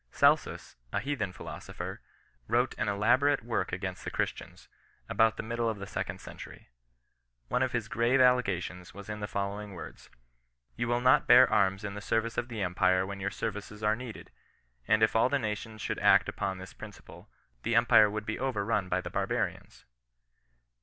Celsus, a heathen philosopher, wrote an elaborate work against the Christians, about the middle of the second century. One of his grave allegations was in the follow ing words :—" You will not bear arms in the service of the empire when your services are needed, and if all the nations should act upon this principle, the empire would be overrun by the barbarians."